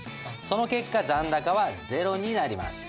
その結果残高はゼロになります。